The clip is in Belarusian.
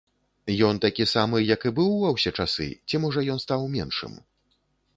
Ён такі самы, як і быў ва ўсе часы, ці, можа, ён стаў меншым?